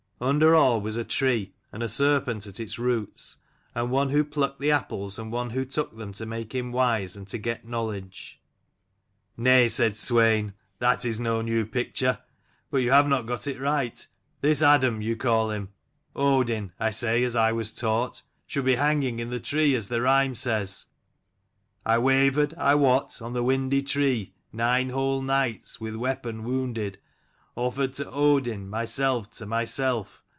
Under all was a tree, and a serpent at its roots, and one who plucked the apples, and one who took them to make him wise and to get knowledge. "Nay," said Swein, "that is no new picture: but you have not got it right. This Adam you call him, Odin, I say as I was taught, should be hanging in the tree, as the rhyme says : I wavered, I wot, On the windy tree Nine whole nights: With weapon wounded, Offered to Odin, Myself to myself.